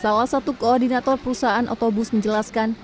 salah satu koordinator perusahaan otobus menjelaskan